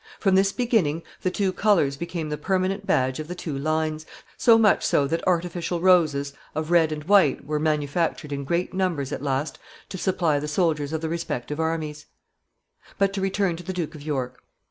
From this beginning the two colors became the permanent badge of the two lines, so much so that artificial roses of red and white were manufactured in great numbers at last, to supply the soldiers of the respective armies. [Sidenote: An expedition.] [Sidenote: Anxiety of the king.] But to return to the Duke of York.